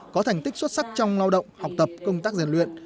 có thành tích xuất sắc trong lao động học tập công tác giàn luyện